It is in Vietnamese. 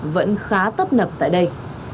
vẫn khá tấp nập tại đây